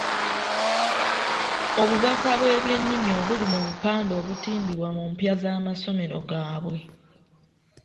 Obubaka bw’ebyennimi obuli mu bupande obutimbibwa mu mpya z’amasomero gaabwe.